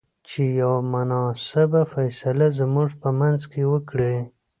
چې يوه مناسبه فيصله زموږ په منځ کې وکړۍ.